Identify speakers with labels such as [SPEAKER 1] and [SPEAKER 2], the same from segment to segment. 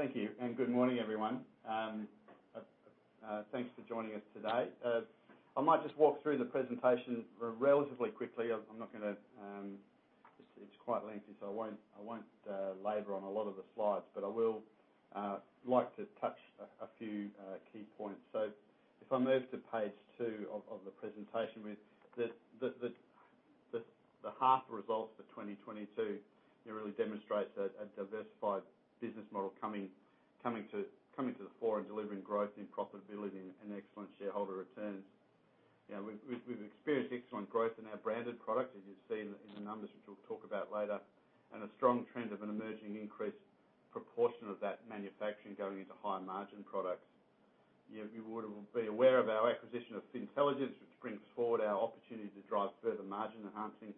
[SPEAKER 1] Thank you, and good morning, everyone. Thanks for joining us today. I might just walk through the presentation relatively quickly. I'm not gonna. It's quite lengthy, so I won't labor on a lot of the slides, but I will like to touch a few key points. If I move to page 2 of the presentation with the half results for 2022, it really demonstrates a diversified business model coming to the fore and delivering growth in profitability and excellent shareholder returns. You know, we've experienced excellent growth in our branded product, as you've seen in the numbers, which we'll talk about later. A strong trend of an emerging increased proportion of that manufacturing going into higher margin products. You would be aware of our acquisition of Fintelligence, which brings forward our opportunity to drive further margin enhancing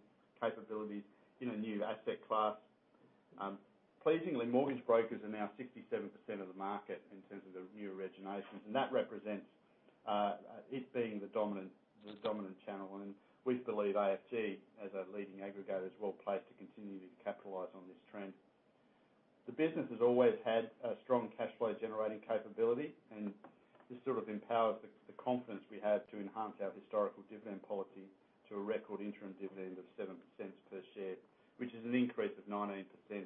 [SPEAKER 1] capabilities in a new asset class. Pleasingly, mortgage brokers are now 67% of the market in terms of the new originations. That represents it being the dominant channel. We believe AFG, as a leading aggregator, is well placed to continue to capitalize on this trend. The business has always had a strong cash flow generating capability, and this sort of empowers the confidence we have to enhance our historical dividend policy to a record interim dividend of 7% per share, which is an increase of 19%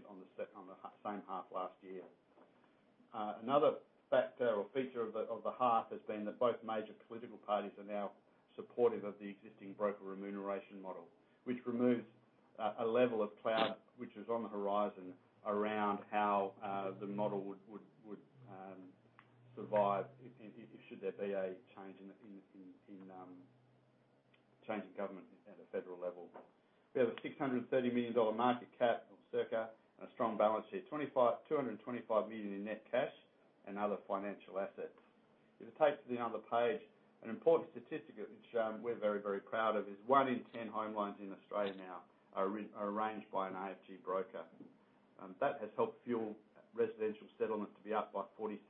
[SPEAKER 1] on the same half last year. Another factor or feature of the half has been that both major political parties are now supportive of the existing broker remuneration model, which removes a level of cloud which is on the horizon around how the model would survive if there should be a change in government at the federal level. We have a market cap of circa AUD 630 million and a strong balance sheet. 225 million in net cash and other financial assets. If you turn to the other page, an important statistic that's shown, we're very proud of, is one in ten home loans in Australia now are arranged by an AFG broker. That has helped fuel residential settlement to be up by 47%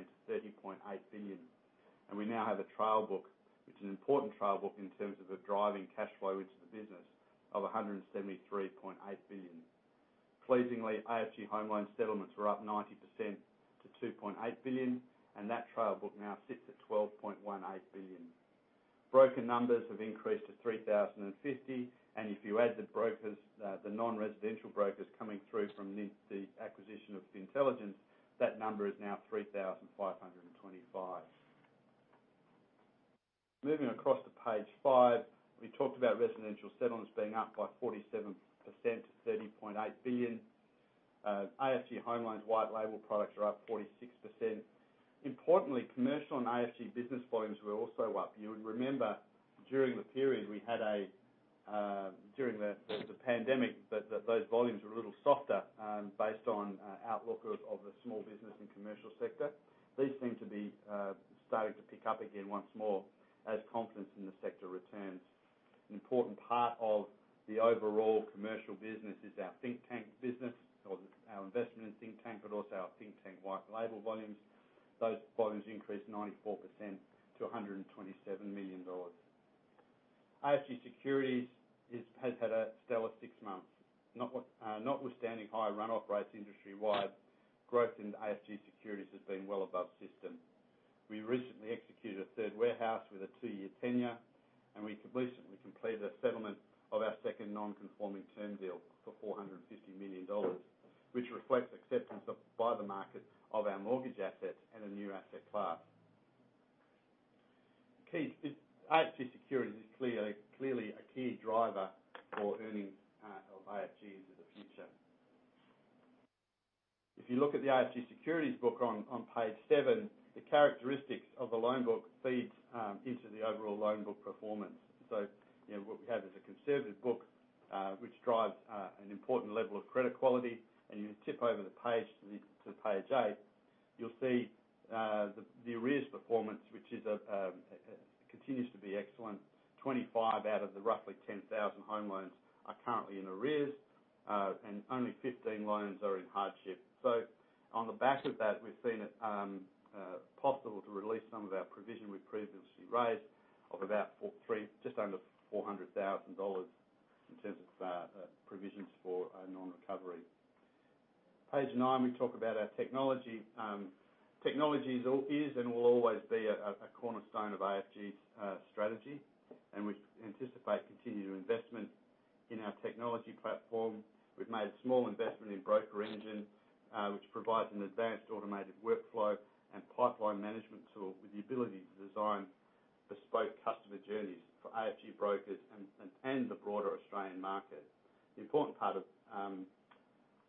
[SPEAKER 1] to 30.8 billion. We now have a trail book, which is an important trail book in terms of the driving cash flow into the business, of 173.8 billion. Pleasingly, AFG Home Loans settlements were up 90% to 2.8 billion, and that trail book now sits at 12.18 billion. Broker numbers have increased to 3,050, and if you add the brokers, the non-residential brokers coming through from the acquisition of Fintelligence, that number is now 3,525. Moving across to page 5, we talked about residential settlements being up by 47% to 30.8 billion. AFG Home Loans white label products are up 46%. Importantly, commercial and AFG business volumes were also up. You would remember during the pandemic that those volumes were a little softer based on outlook of the small business and commercial sector. These seem to be starting to pick up again once more as confidence in the sector returns. An important part of the overall commercial business is our Thinktank business, or our investment in Thinktank, but also our Thinktank white label volumes. Those volumes increased 94% to 127 million dollars. AFG Securities has had a stellar six months. Notwithstanding high runoff rates industry-wide, growth in AFG Securities has been well above system. We recently executed a third warehouse with a two-year tenure, and we completed a settlement of our second non-conforming term deal for 450 million dollars, which reflects acceptance of, by the market, of our mortgage assets in a new asset class. Key, AFG Securities is clearly a key driver for earnings of AFG into the future. If you look at the AFG Securities book on page 7, the characteristics of the loan book feeds into the overall loan book performance. You know, what we have is a conservative book, which drives an important level of credit quality. You tip over the page to page 8, you'll see the arrears performance, which continues to be excellent. 25 out of the roughly 10,000 home loans are currently in arrears, and only 15 loans are in hardship. On the back of that, we've seen it possible to release some of our provision we previously raised of about just under 400 thousand dollars in terms of provisions for non-recovery. Page nine, we talk about our technology. Technology is and will always be a cornerstone of AFG's strategy, and we anticipate continued investment in our technology platform. We've made a small investment in BrokerEngine, which provides an advanced automated workflow and pipeline management tool with the ability to design bespoke customer journeys for AFG brokers and the broader Australian market. The important part of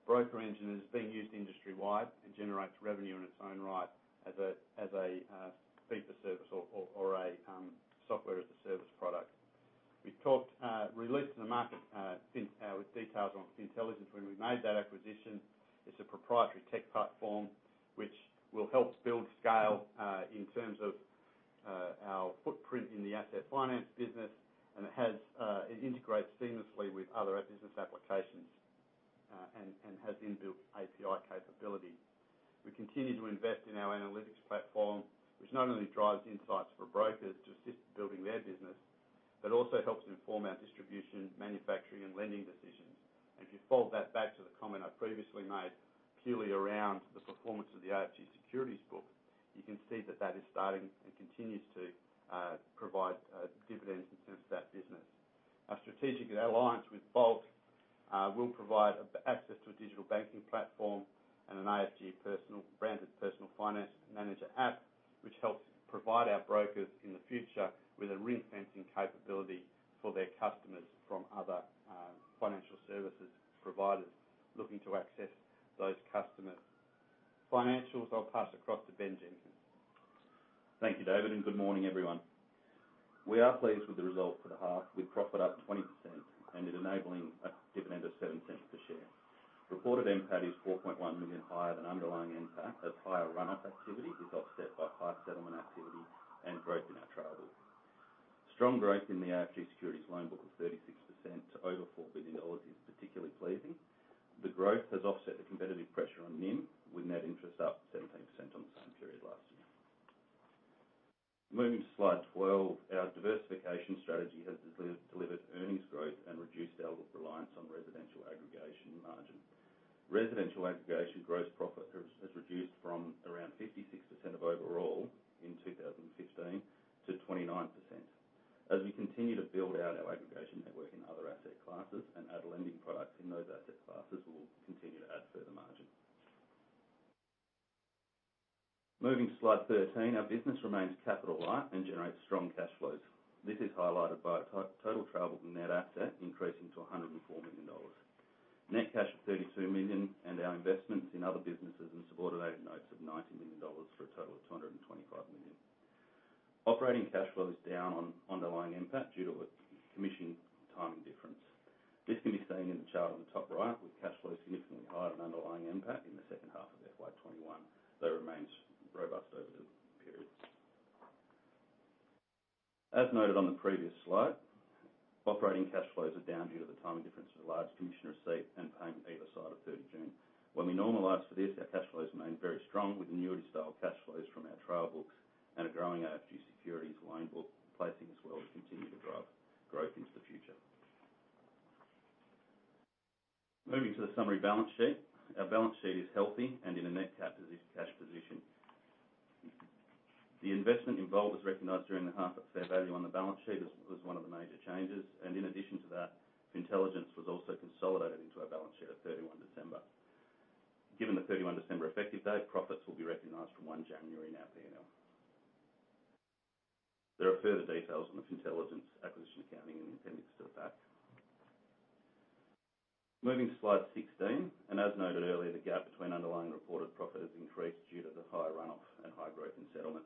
[SPEAKER 1] BrokerEngine is being used industry-wide and generates revenue in its own right as a fee for service or a software as a service product. We've released to the market with details on Fintelligence when we made that acquisition. It's a proprietary tech platform, which will help build scale in terms of our footprint in the asset finance business, and it integrates seamlessly with other business applications and has inbuilt API capability. We continue to invest in our analytics platform, which not only drives insights for brokers to assist building their business but also helps inform our distribution, manufacturing, and lending decisions. If you fold that back to the comment I previously made, purely around the performance of the AFG Securities book, you can see that that is starting and continues to provide dividends in terms of that business. Our strategic alliance with Volt will provide access to a digital banking platform and an AFG personal-branded personal finance manager app, which helps provide our brokers in the future with a ring-fencing capability for their customers from other financial services providers looking to access those customers. Financials, I'll pass across to Ben Jenkins.
[SPEAKER 2] Thank you, David, and good morning, everyone. We are pleased with the result for the half, with profit up 20% and it enabling a dividend of 0.07 per share. Reported NPAT is 4.1 million higher than underlying NPAT as higher run-up activity is offset by high settlement activity and growth in our trail book. Strong growth in the AFG Securities loan book of 36% to over 4 billion dollars is particularly pleasing. The growth has offset the competitive pressure on NIM, with net interest up 17% on the same period last year. Moving to slide 12. Our diversification strategy has delivered earnings growth and reduced our reliance on residential aggregation margin. Residential aggregation gross profit has reduced from around 56% of overall in 2015 to 29%. As we continue to build out our aggregation network in other asset classes and add lending products in those asset classes, we'll continue to add further margin. Moving to slide 13. Our business remains capital light and generates strong cash flows. This is highlighted by a total trail book net asset increasing to 104 million dollars. Net cash of 32 million, and our investments in other businesses and subordinated notes of 90 million dollars, for a total of 225 million. Operating cash flow is down on underlying NPAT due to a commission timing difference. This can be seen in the chart on the top right, with cash flows significantly higher than underlying NPAT in the H2 of FY 2021, though it remains robust over the periods. As noted on the previous slide, operating cash flows are down due to the timing difference of a large commission receipt and payment either side of 30 June. When we normalize for this, our cash flows remain very strong with annuity-style cash flows from our trail books and a growing AFG Securities loan book placing as well as continue to drive growth into the future. Moving to the summary balance sheet. Our balance sheet is healthy and in a net cash position. The investment in Volt was recognized during the half at fair value on the balance sheet as one of the major changes, and in addition to that, Fintelligence was also consolidated into our balance sheet at 31 December. Given the 31 December effective date, profits will be recognized from 1 January in our P&L. There are further details on the Fintelligence acquisition accounting in the appendix at the back. Moving to slide 16, and as noted earlier, the gap between underlying reported profit has increased due to the higher run-off and high growth in settlements.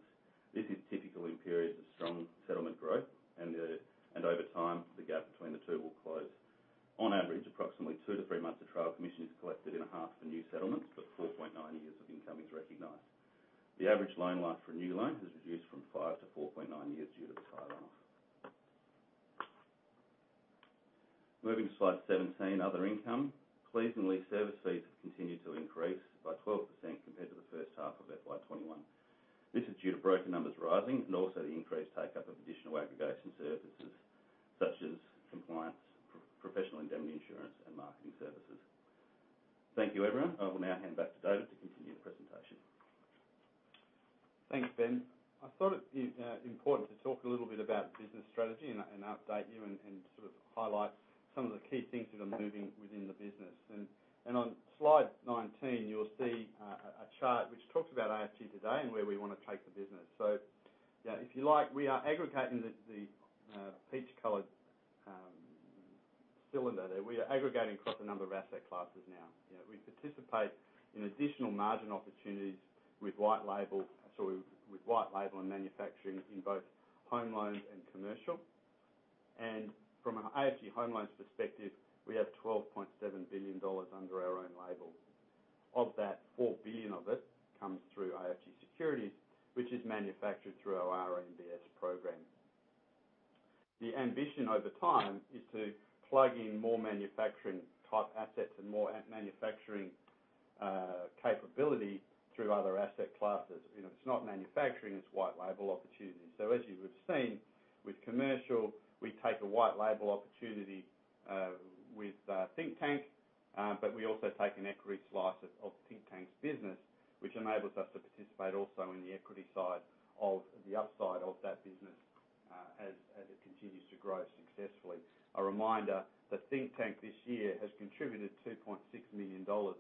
[SPEAKER 2] This is typical in periods of strong settlement growth and over time, the gap between the two will close. On average, approximately 2 to 3 months of trail commission is collected in half for new settlements, but 4.9 years of income is recognized. The average loan life for a new loan has reduced from 5 to 4.9 years due to the high run-off. Moving to slide 17, other income. Pleasingly, service fees have continued to increase by 12% compared to the H1 of FY 2021. This is due to broker numbers rising and also the increased take-up of additional aggregation services, such as compliance, professional indemnity insurance, and marketing services. Thank you, everyone. I will now hand back to David to continue the presentation.
[SPEAKER 1] Thanks, Ben. I thought it'd be important to talk a little bit about business strategy and update you and sort of highlight some of the key things that are moving within the business. On slide 19, you'll see a chart which talks about AFG today and where we wanna take the business. Yeah, if you like, we are aggregating the peach-colored cylinder there. We are aggregating across a number of asset classes now. You know, we participate in additional margin opportunities with white label, sorry, with white label and manufacturing in both home loans and commercial. From an AFG Home Loans perspective, we have 12.7 billion dollars under our own label. Of that, 4 billion of it comes through AFG Securities, which is manufactured through our RMBS program. The ambition over time is to plug in more manufacturing type assets and more manufacturing capability through other asset classes. You know, it's not manufacturing, it's white label opportunities. As you would've seen with commercial, we take a white label opportunity with Thinktank, but we also take an equity slice of Thinktank's business, which enables us to participate also in the equity side of the upside of that business as it continues to grow successfully. A reminder that Thinktank this year has contributed 2.6 million dollars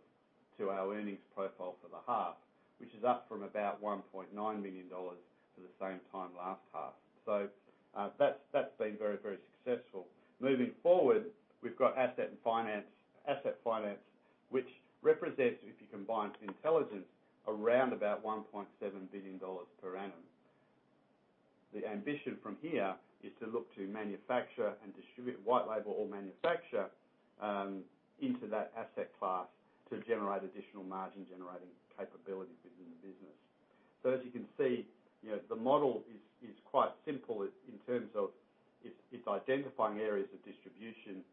[SPEAKER 1] to our earnings profile for the half, which is up from about 1.9 million dollars for the same time last half. That's been very, very successful. Moving forward, we've got asset finance, which represents, if you combine Fintelligence, around about 1.7 billion dollars per annum. The ambition from here is to look to manufacture and distribute white label or manufacture into that asset class to generate additional margin generating capability within the business. As you can see, you know, the model is quite simple in terms of its identifying areas of distribution.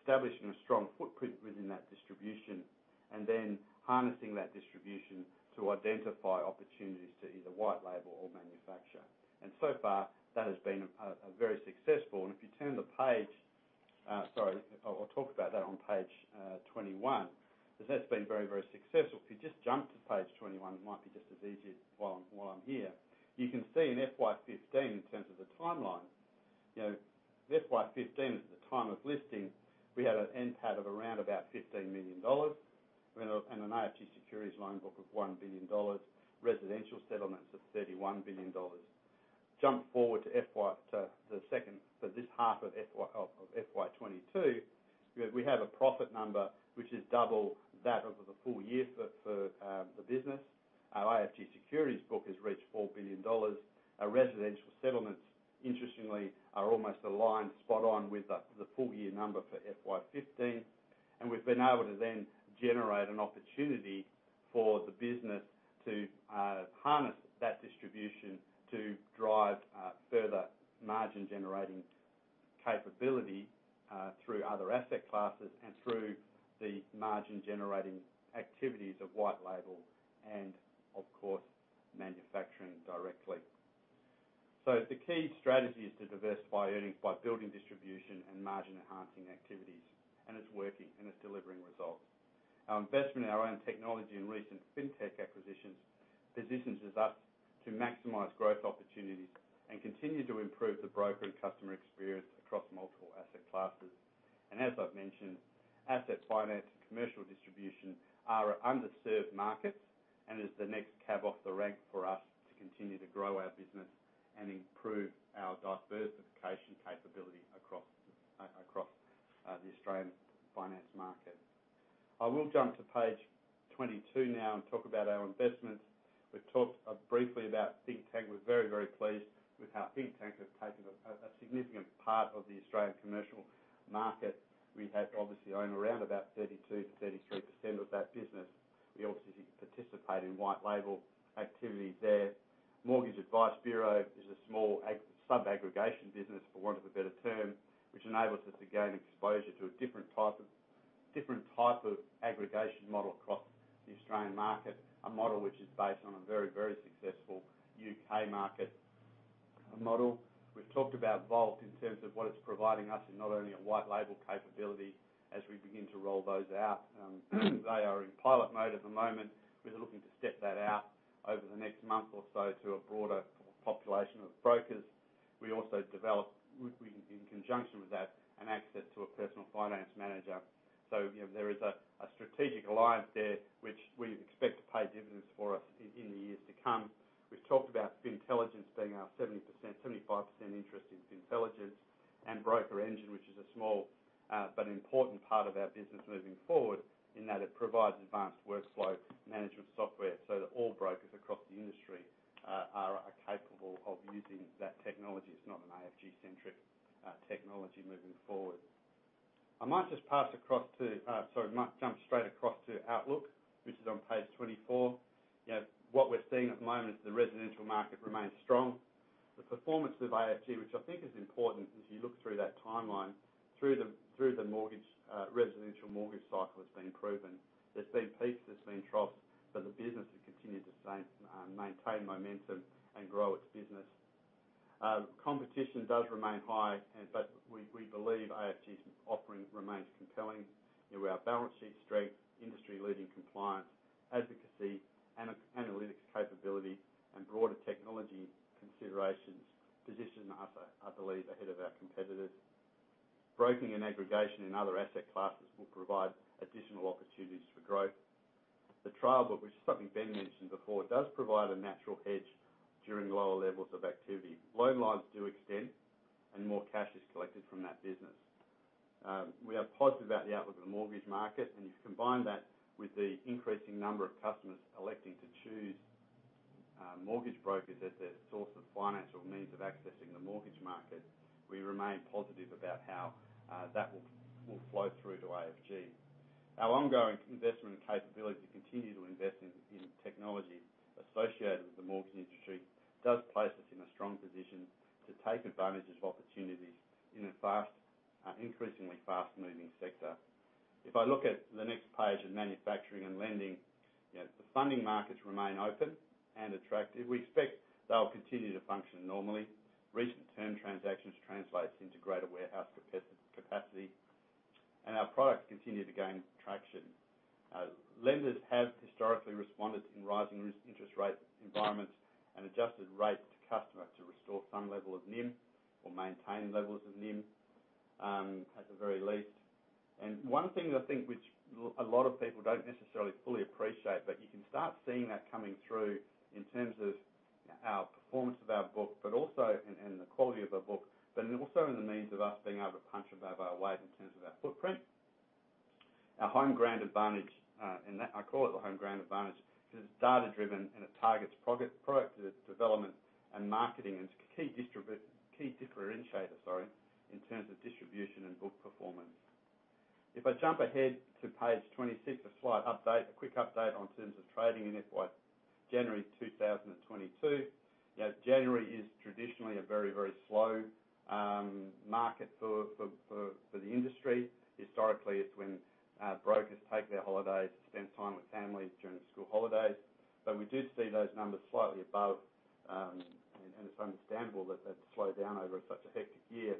[SPEAKER 1] Establishing a strong footprint within that distribution and then harnessing that distribution to identify opportunities to either white label or manufacture. So far, that has been very successful. If you turn the page, sorry, I'll talk about that on page 21, cause that's been very, very successful. If you just jump to page 21, it might be just as easy while I'm here. You can see in FY 2015, in terms of the timeline, you know, FY 2015 is the time of listing. We had an NPAT of around about 15 million dollars. We had an AFG Securities loan book of 1 billion dollars, residential settlements of 31 billion dollars. Jump forward to the H2 of FY 2022, we have a profit number which is double that over the full year for the business. Our AFG Securities book has reached 4 billion dollars. Our residential settlements, interestingly, are almost aligned spot on with the full year number for FY 2015. We've been able to then generate an opportunity for the business to harness that distribution to drive further margin-generating capability through other asset classes and through the margin-generating activities of white label and of course, manufacturing directly. The key strategy is to diversify earnings by building distribution and margin-enhancing activities, and it's working and it's delivering results. Our investment in our own technology and recent fintech acquisitions positions us up to maximize growth opportunities and continue to improve the broker and customer experience across multiple asset classes. As I've mentioned, asset finance and commercial distribution are our underserved markets, and is the next cab off the rank for us to continue to grow our business and improve our diversification capability across the Australian finance market. I will jump to page 22 now and talk about our investments. We've talked briefly about Thinktank. We're very, very pleased with how Thinktank has taken a significant part of the Australian commercial market. We have obviously own around about 32 to 33% of that business. We obviously participate in white label activities there. Mortgage Advice Bureau is a small sub-aggregation business, for want of a better term, which enables us to gain exposure to a different type of aggregation model across the Australian market, a model which is based on a very successful U.K. market model. We've talked about Volt in terms of what it's providing us, in not only a white label capability as we begin to roll those out, they are in pilot mode at the moment. We're looking to step that out over the next month or so to a broader population of brokers. We also develop, in conjunction with that, an access to a personal finance manager. You know, there is a strategic alliance there which we expect to pay dividends for us in the years to come. We've talked about Fintelligence being our 70%, 75% interest in Fintelligence, and BrokerEngine, which is a small but important part of our business moving forward, in that it provides advanced workflow management software so that all brokers across the industry are capable of using that technology. It's not an AFG-centric technology moving forward. I might jump straight across to outlook, which is on page 24. You know, what we're seeing at the moment is the residential market remains strong. The performance of AFG, which I think is important as you look through that timeline, through the mortgage residential mortgage cycle has been proven. There's been peaks, there's been troughs, but the business has continued to stay, maintain momentum and grow its business. Competition does remain high, but we believe AFG's offering remains compelling. You know, our balance sheet strength, industry-leading compliance, advocacy, analytics capability, and broader technology considerations position us, I believe, ahead of our competitors. Broking and aggregation in other asset classes will provide additional opportunities for growth. The trail book, which is something Ben mentioned before, does provide a natural hedge during lower levels of activity. Loan lives do extend, and more cash is collected from that business. We are positive about the outlook of the mortgage market, and if you combine that with the increasing number of customers electing to choose mortgage brokers as their source of financial means of accessing the mortgage market, we remain positive about how that will flow through to AFG. Our ongoing investment and capability to continue to invest in technology associated with the mortgage industry does place us in a strong position to take advantage of opportunities in a fast increasingly fast-moving sector. If I look at the next page in manufacturing and lending, you know, the funding markets remain open and attractive. We expect they'll continue to function normally. Recent term transactions translates into greater warehouse capacity, and our products continue to gain traction. Lenders have historically responded in rising interest rate environments and adjusted rates to customer to restore some level of NIM or maintain levels of NIM at the very least. One thing I think which a lot of people don't necessarily fully appreciate, but you can start seeing that coming through in terms of, you know, our performance of our book, but also the quality of our book, but also in the means of us being able to punch above our weight in terms of our footprint. Our home ground advantage, and that I call it the home ground advantage, cause it's data-driven, and it targets product development and marketing, and it's a key differentiator in terms of distribution and book performance. If I jump ahead to page 26, a slight update, a quick update in terms of trading in FY January 2022. You know, January is traditionally a very slow market for the industry. Historically, it's when brokers take their holidays to spend time with families during the school holidays. We do see those numbers slightly above, and it's understandable that they've slowed down over such a hectic year.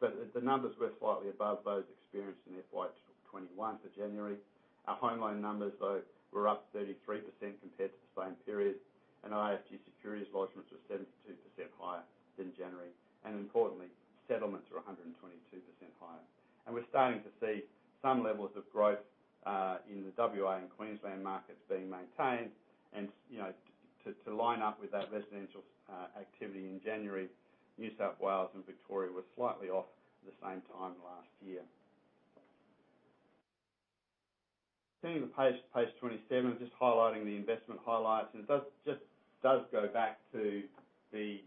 [SPEAKER 1] The numbers were slightly above those experienced in FY 2021 for January. Our home loan numbers, though, were up 33% compared to the same period, and AFG Securities lodgments were 72% higher than January. Importantly, settlements were 122% higher. We're starting to see some levels of growth in the WA and Queensland markets being maintained. You know, to line up with that residential activity in January, New South Wales and Victoria were slightly off the same time last year. Turning the page to page 27, just highlighting the investment highlights. It does just go back to the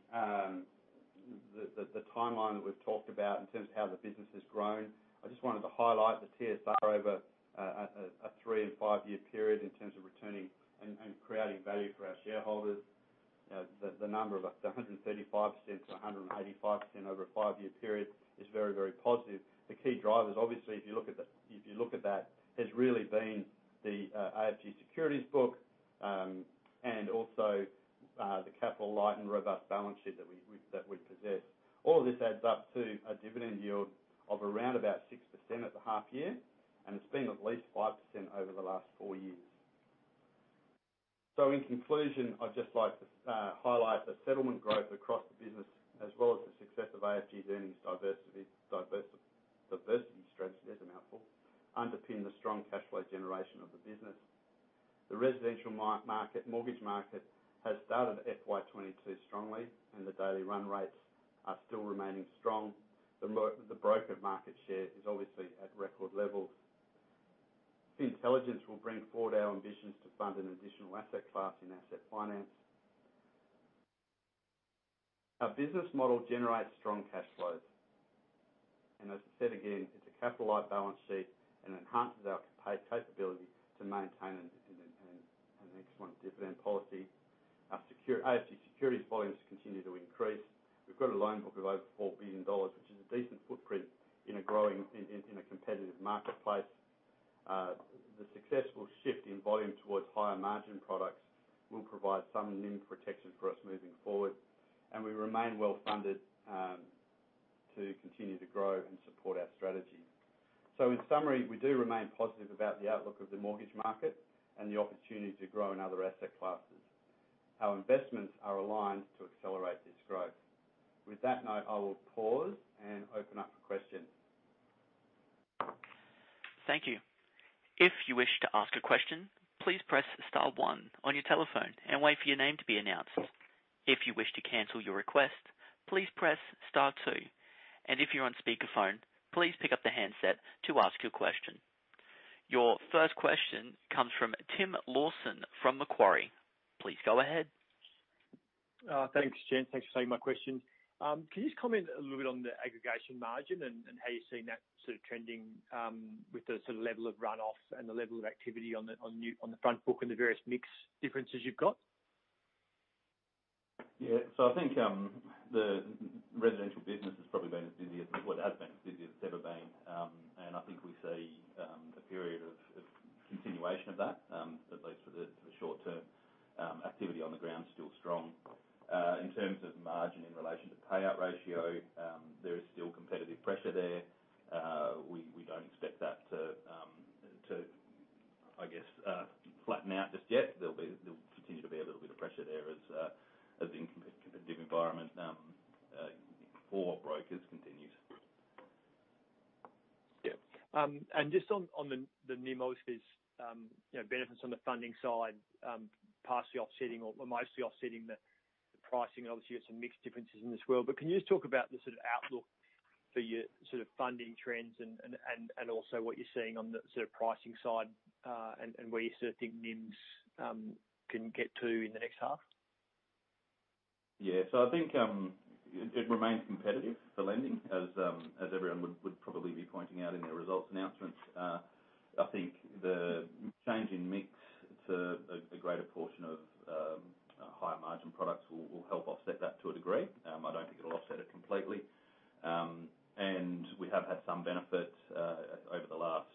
[SPEAKER 1] timeline that we've talked about in terms of how the business has grown. I just wanted to highlight the TSR over a 3- and 5-year period in terms of returning and creating value for our shareholders. You know, the number of 135 to 185% over a 5-year period is very, very positive. The key drivers, obviously, if you look at that, has really been the AFG Securities book and also the capital light and robust balance sheet that we possess. All of this adds up to a dividend yield of around 6% at the half year, and it's been at least 5% over the last 4 years. In conclusion, I'd just like to highlight the settlement growth across the business, as well as the success of AFG's earnings diversity strategy, there's a mouthful, underpin the strong cash flow generation of the business. The residential mortgage market has started FY 2022 strongly, and the daily run rates are still remaining strong. The broker market share is obviously at record levels. Fintelligence will bring forward our ambitions to fund an additional asset class in asset finance. Our business model generates strong cash flows. As I said again, it's a capital light balance sheet and enhances our capability to maintain an excellent dividend policy. AFG Securities volumes continue to increase. We've got a loan book of over 4 billion dollars, which is a decent footprint in a growing, in a competitive marketplace. The successful shift in volume towards higher margin products will provide some NIM protection for us moving forward, and we remain well-funded to continue to grow and support our strategy. In summary, we do remain positive about the outlook of the mortgage market and the opportunity to grow in other asset classes. Our investments are aligned to accelerate this growth. With that note, I will pause and open up for questions.
[SPEAKER 3] Thank you. If you wish to ask a question, please press star one on your telephone and wait for your name to be announced. If you wish to cancel your request, please press star two. If you're on speakerphone, please pick up the handset to ask your question. Your first question comes from Tim Lawson from Macquarie. Please go ahead.
[SPEAKER 4] Thanks, Jan. Thanks for taking my question. Can you just comment a little bit on the aggregation margin and how you're seeing that sort of trending, with the sort of level of runoff and the level of activity on the new front book and the various mix differences you've got?
[SPEAKER 1] I think the residential business has probably been as busy as, well, it has been as busy as it's ever been. I think we see a period of continuation of that at least for the short term. Activity on the ground is still strong. In terms of margin in relation to payout ratio, there is still competitive pressure there. We don't expect that to, I guess, flatten out just yet. There'll continue to be a little bit of pressure there as the competitive environment for brokers continues.
[SPEAKER 4] Yeah. Just on the NIM offsets, you know, benefits on the funding side, partially offsetting or mostly offsetting the pricing. Obviously, you have some mix differences in this world. Can you just talk about the sort of outlook for your sort of funding trends and also what you're seeing on the sort of pricing side, and where you sort of think NIMs can get to in the next half?
[SPEAKER 1] I think it remains competitive, the lending, as everyone would probably be pointing out in their results announcements. I think the change in mix to a greater portion of higher margin products will help offset that to a degree. I don't think it'll offset it completely. We have had some benefit over the last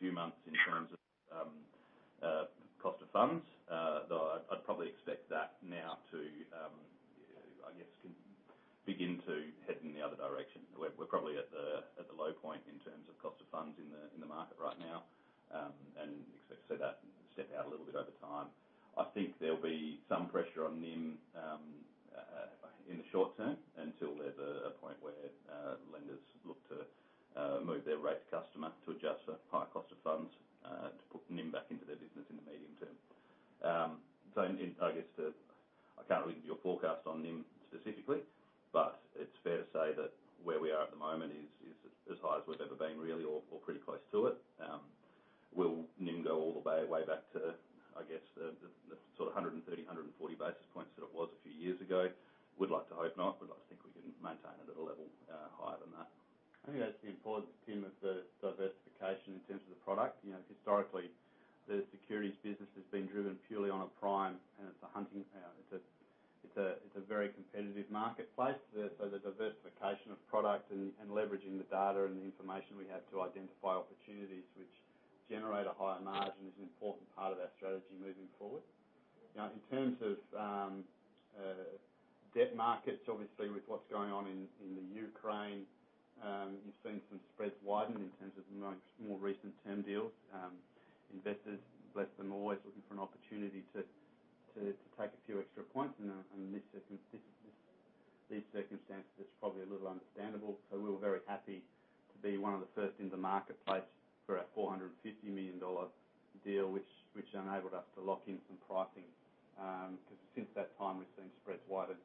[SPEAKER 1] few months in terms of cost of funds. Though I'd probably expect that now to, I guess, begin to head in the other direction. We're probably at the low point in terms of cost of funds in the market right now and expect to see that step out a little bit over time. I think there'll be some pressure on NIM in the short term until there's a point where lenders look to move their rate to customer to adjust for higher cost of funds to put NIM back into their business in the medium term. I can't really give you a forecast on NIM specifically, but it's fair to say that where we are at the moment is as high as we've ever been really or pretty close to it. Will NIM go all the way back to, I guess, the sort of 130, 140 basis points that it was a few years ago? We'd like to hope not. We'd like to think we can maintain it at a level higher than that. I think that's the importance, Tim, of the diversification in terms of the product. You know, historically, the securities business has been driven purely on a prime, and it's a very competitive marketplace. So, the diversification of product and leveraging the data and the information we have to identify opportunities which generate a higher margin is an important part of our strategy moving forward. Now, in terms of debt markets, obviously, with what's going on in the Ukraine, you've seen some spreads widen in terms of more recent term deals. Investors, bless them, always looking for an opportunity to take a few extra points. These circumstances, it's probably a little understandable. We were very happy to be one of the first in the marketplace for our 450 million dollar deal, which enabled us to lock in some pricing, cause since that time, we've seen spreads widen.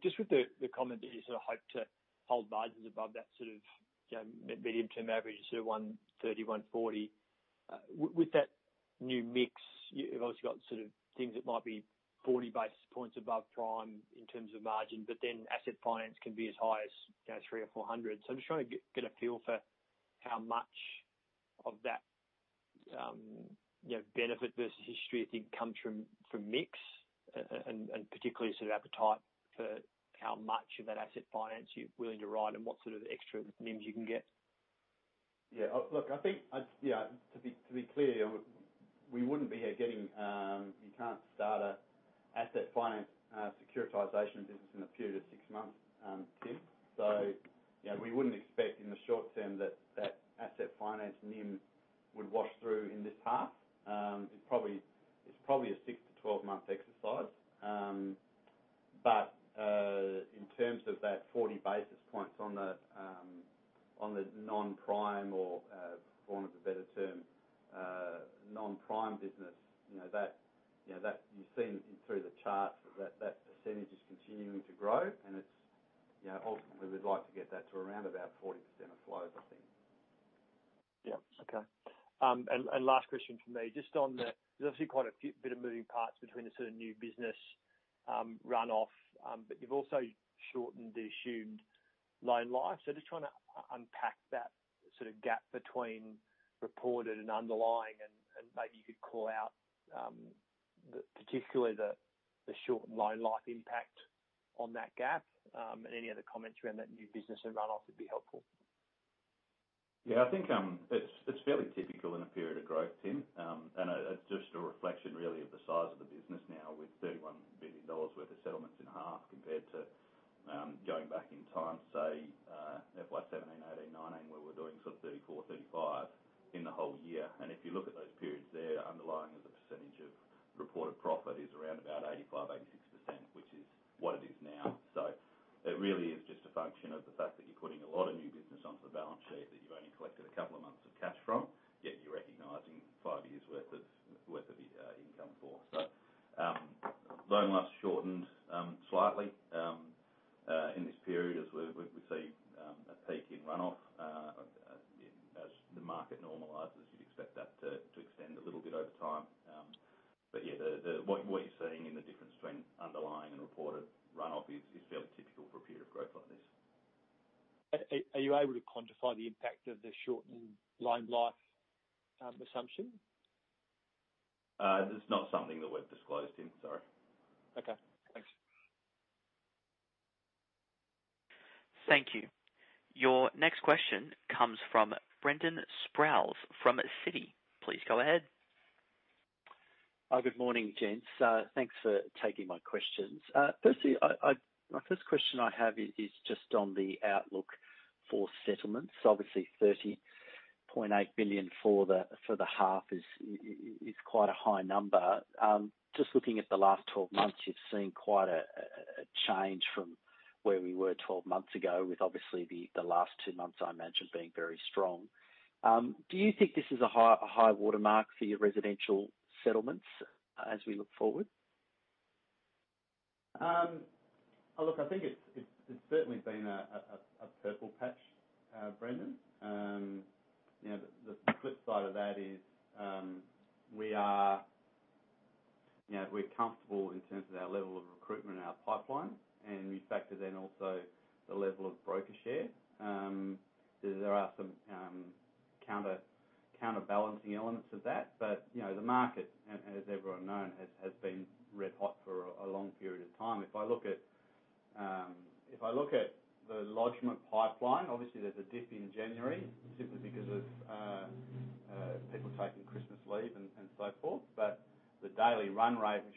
[SPEAKER 4] Just with the comment that you sort of hope to hold margins above that sort of, you know, medium-term average, so 130, 140. With that new mix, you've obviously got sort of things that might be 40 basis points above prime in terms of margin, but then asset finance can be as high as, you know, 300 or 400. I'm just trying to get a feel for how much of that, you know, benefit versus history do you think comes from mix, and particularly sort of appetite for how much of that asset finance you're willing to write and what sort of extra NIM you can get.
[SPEAKER 1] To be clear, you can't start an asset finance securitization business in a period of six months, Tim. You know, we wouldn't expect in the short term that asset finance NIM would wash through in this half. It's probably a six- to 12 month exercise. In terms of that 40 basis points on the non-prime or, for want of a better term, non-prime business, you know, that you've seen through the charts, that percentage is continuing to grow, and it's, you know, ultimately, we'd like to get that to around about 40% of flows, I think.
[SPEAKER 4] Last question from me, just on the. There's obviously quite a few bits of moving parts between the sort of new business, runoff, but you've also shortened the assumed loan life. Just trying to unpack that sort of gap between reported and underlying, and maybe you could call out, particularly the shortened loan life impact on that gap, and any other comments around that new business and runoff would be helpful.
[SPEAKER 1] Yeah, I think it's fairly typical in a period of growth, Tim, and just a reflection really of the size of the business now with 31 billion dollars worth of settlements in half compared to going back in time, say, FY 2017, 2018, 2019, where we're doing sort of 34 billion, 35 billion in the whole year. If you look at those periods there, underlying as a percentage of reported profit is around about 85 to 86%, which is what it is now. It really is just a function of the fact that you're putting a lot of new business onto the balance sheet that you only collected a couple of months of cash from, yet you're recognizing 5 years' worth of income for. Loan life shortened slightly in this period as we see a peak in runoff as the market normalizes, you'd expect that to extend a little bit over time. But yeah, what you're seeing in the difference between underlying and reported runoff is fairly typical for a period of growth like this.
[SPEAKER 4] Are you able to quantify the impact of the shortened loan life assumption?
[SPEAKER 1] It's not something that we've disclosed, Tim. Sorry.
[SPEAKER 4] Okay. Thanks.
[SPEAKER 3] Thank you. Your next question comes from Brendan Sproules from Citi. Please go ahead.
[SPEAKER 5] Good morning, gents. Thanks for taking my questions. Firstly, my first question is just on the outlook for settlements. Obviously, 30.8 billion for the half is quite a high number. Just looking at the last 12 months, you've seen quite a change from where we were 12 months ago with obviously the last 2 months, I imagine being very strong. Do you think this is a high watermark for your residential settlements as we look forward?
[SPEAKER 1] Oh, look, I think it's certainly been a purple patch, Brendan. You know, the flip side of that is. You know, we're comfortable in terms of our level of recruitment in our pipeline, and we factor then also the level of broker share. There are some counterbalancing elements of that. You know, the market, as everyone knows, has been red hot for a long period of time. If I look at the lodgement pipeline, obviously there's a dip in January simply because of people taking Christmas leave and so forth. The daily run rate, which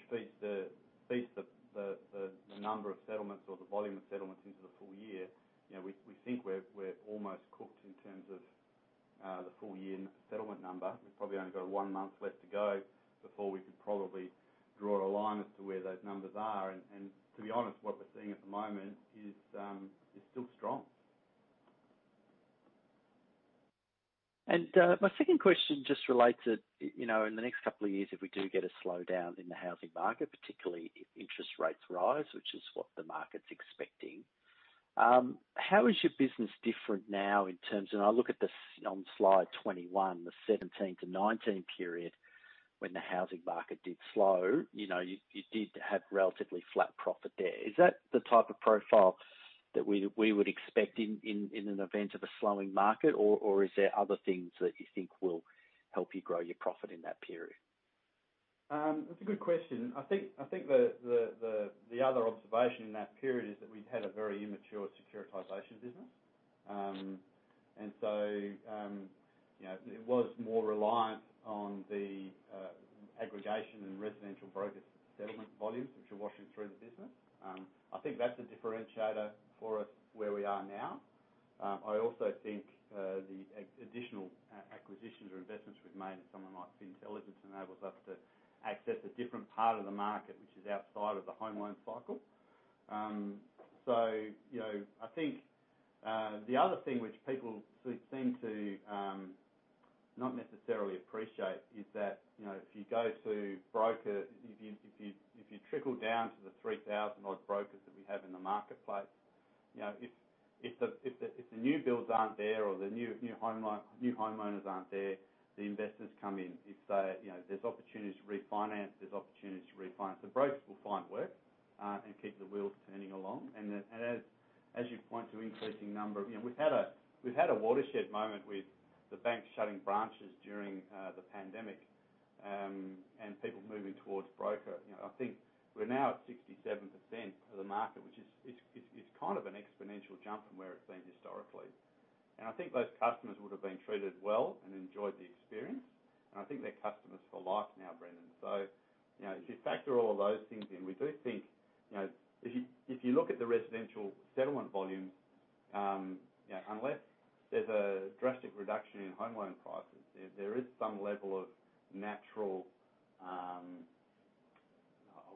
[SPEAKER 1] feeds the number of settlements or the volume of settlements into the full year, you know, we think we're almost cooked in terms of the full year settlement number. We've probably only got one month left to go before we could probably draw a line as to where those numbers are. To be honest, what we're seeing at the moment is still strong.
[SPEAKER 5] My second question just relates to, you know, in the next couple of years, if we do get a slowdown in the housing market, particularly if interest rates rise, which is what the market's expecting, how is your business different now in terms of I look at the, on slide 21, the 2017 to 2019 period. When the housing market did slow, you know, you did have relatively flat profit there. Is that the type of profile that we would expect in an event of a slowing market or is there other things that you think will help you grow your profit in that period?
[SPEAKER 1] That's a good question. I think the other observation in that period is that we've had a very immature securitization business. You know, it was more reliant on the aggregation and residential broker settlement volumes, which are washing through the business. I think that's a differentiator for us where we are now. I also think the additional acquisitions or investments we've made with someone like Fintelligence enables us to access a different part of the market, which is outside of the home loan cycle. You know, I think the other thing which people sort of seem to not necessarily appreciate is that, you know, if you go to broker, if you trickle down to the 3,000 odd brokers that we have in the marketplace, you know, if the new builds aren't there or the new homeowners aren't there, the investors come in. If you know, there's opportunities to refinance. The brokers will find work and keep the wheels turning along. As you point to increasing number, you know, we've had a watershed moment with the banks shutting branches during the pandemic and people moving towards broker. You know, I think we're now at 67% of the market, which is, it's kind of an exponential jump from where it's been historically. I think those customers would have been treated well and enjoyed the experience, and I think they're customers for life now, Brendan. You know, if you factor all of those things in, we do think, you know, if you, if you look at the residential settlement volumes, unless there's a drastic reduction in home loan prices, there is some level of natural,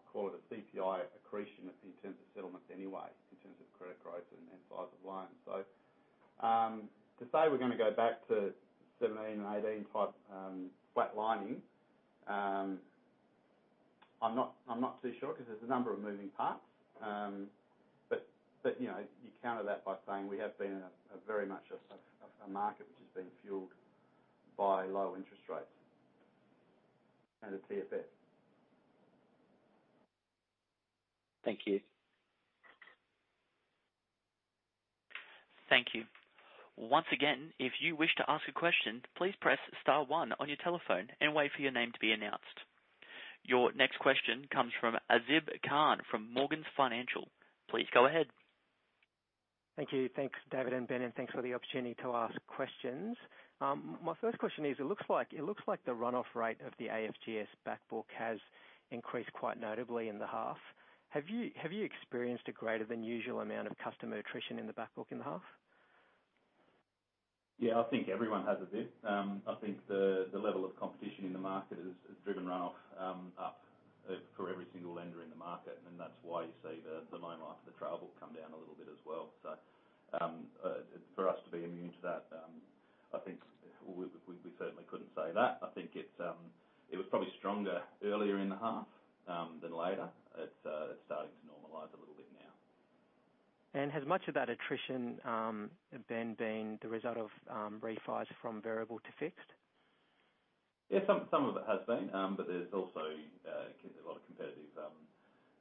[SPEAKER 1] I'll call it a CPI accretion in terms of settlements anyway, in terms of credit growth and size of loans. To say we're gonna go back to 17 and 18 type flat lining, I'm not too sure cause there's a number of moving parts. you know, you counter that by saying we have been a very much a market which has been fueled by low interest rates and a TFS.
[SPEAKER 5] Thank you.
[SPEAKER 3] Thank you. Once again, if you wish to ask a question, please press star one on your telephone and wait for your name to be announced. Your next question comes from Azib Khan from Morgans Financial. Please go ahead.
[SPEAKER 6] Thank you. Thanks, David and Ben, and thanks for the opportunity to ask questions. My first question is, it looks like the run-off rate of the AFGS back book has increased quite notably in the half. Have you experienced a greater than usual amount of customer attrition in the back book in the half?
[SPEAKER 1] Yeah, I think everyone has a bit. I think the level of competition in the market has driven run-off up for every single lender in the market, and that's why you see the loan life of the trail book come down a little bit as well. For us to be immune to that, I think we certainly couldn't say that. I think it was probably stronger earlier in the half than later. It's starting to normalize a little bit now.
[SPEAKER 6] Has much of that attrition, Ben, been the result of refis from variable to fixed?
[SPEAKER 1] Some of it has been, but there's also a lot of competitive,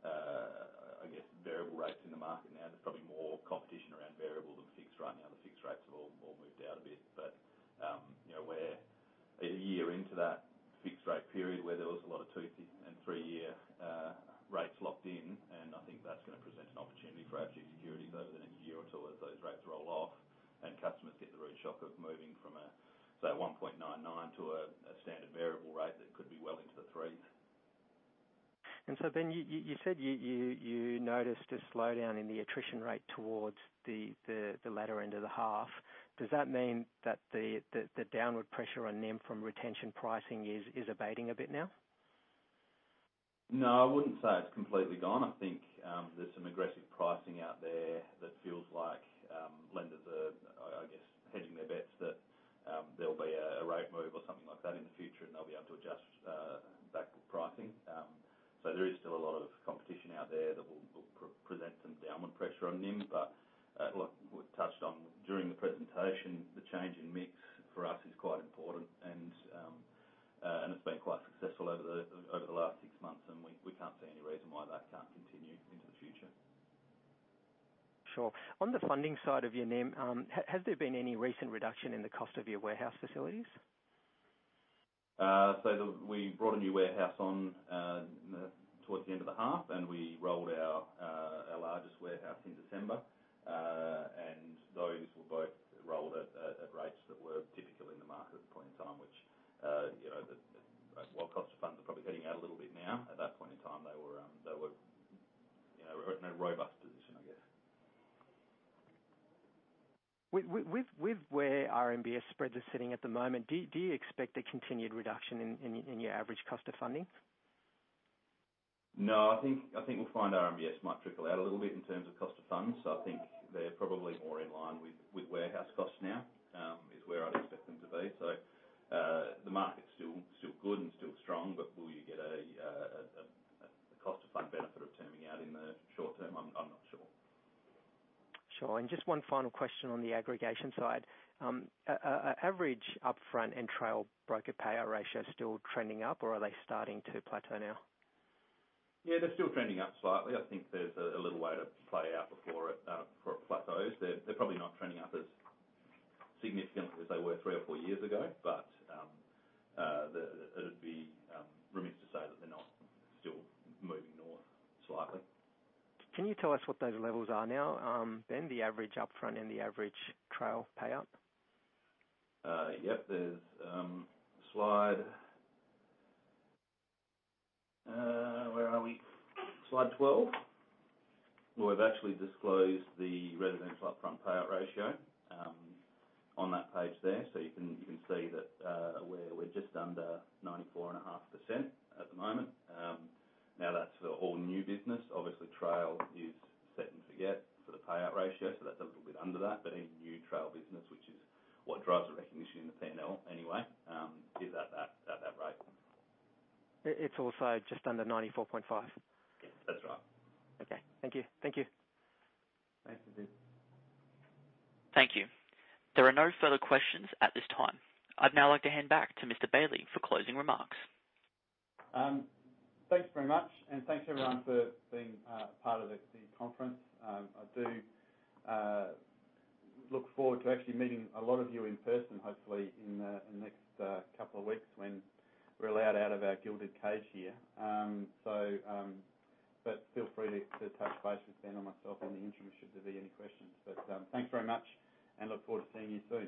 [SPEAKER 1] I guess variable rates in the market now. There's probably more competition around variable than fixed right now. The fixed rates have all moved out a bit. You know, we're a year into that fixed rate period where there was a lot of two-year and three-year rates locked in, and I think that's gonna present an opportunity for AFG Securities over the next year or two as those rates roll off and customers get the real shock of moving from a, say, 1.99 to a standard variable rate that could be well into the threes.
[SPEAKER 6] Ben, you said you noticed a slowdown in the attrition rate towards the latter end of the half. Does that mean that the downward pressure on NIM from retention pricing is abating a bit now?
[SPEAKER 1] No, I wouldn't say it's completely gone. I think there's some aggressive pricing out there that feels like lenders are, I guess, hedging their bets that there'll be a rate move or something like that in the future, and they'll be able to adjust back pricing. There is still a lot of competition out there that will present some downward pressure on NIM, but like we've touched on during the presentation, the change in mix for us is quite important and it's been quite successful over the last six months, and we can't see any reason why that can't continue into the future.
[SPEAKER 6] Sure. On the funding side of your NIM, has there been any recent reduction in the cost of your warehouse facilities?
[SPEAKER 1] We brought a new warehouse on towards the end of the half, and we rolled our largest warehouse in December. Those were both rolled at rates that were typical in the market at the point in time, which, you know, well, cost of funds are probably heading out a little bit now. At that point in time, they were, you know, in a robust position, I guess.
[SPEAKER 6] With where RMBS spreads are sitting at the moment, do you expect a continued reduction in your average cost of funding?
[SPEAKER 1] No, I think we'll find RMBS might trickle out a little bit in terms of cost of funds. I think they're probably more in line with warehouse costs now is where I'd expect them to be. So, the market's still good and strong, but will you get a cost of fund benefit of terming out in the short term? I'm not sure.
[SPEAKER 6] Sure. Just one final question on the aggregation side. Are average upfront and trail broker payout ratios still trending up, or are they starting to plateau now?
[SPEAKER 1] Yeah, they're still trending up slightly. I think there's a little way to play out before it plateaus. They're probably not trending up as significantly as they were three or four years ago, but it would be remiss to say that they're not still moving north slightly.
[SPEAKER 6] Can you tell us what those levels are now, Ben, the average upfront and the average trail payout?
[SPEAKER 1] Yep. There's a slide, where are we? Slide 12, where we've actually disclosed the residential upfront payout ratio, on that page there. You can see that, we're just under 94.5% at the moment. Now that's for all new business. Obviously, trail is set and forget for the payout ratio, so that's a little bit under that. Any new trail business, which is what drives the recognition in the P&L anyway, is at that rate.
[SPEAKER 6] It's also just under 94.5.
[SPEAKER 1] Yes, that's right.
[SPEAKER 6] Okay. Thank you. Thank you.
[SPEAKER 1] Thanks, Azib.
[SPEAKER 3] Thank you. There are no further questions at this time. I'd now like to hand back to Mr. Bailey for closing remarks.
[SPEAKER 1] Thanks very much, and thanks everyone for being part of the conference. I do look forward to actually meeting a lot of you in person, hopefully in the next couple of weeks when we're allowed out of our gilded cage here. Feel free to touch base with Ben or myself in the interim should there be any questions. Thanks very much and look forward to seeing you soon.